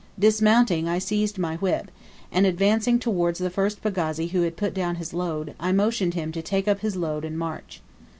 Dismounting, I seized my whip, and, advancing towards the first pagazi who had put down his load, I motioned to him to take up his load and march.